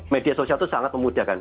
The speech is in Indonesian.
media sosial itu sangat memudahkan